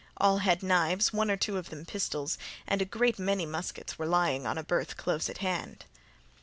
All had knives, one or two of them pistols, and a great many muskets were lying in a berth close at hand.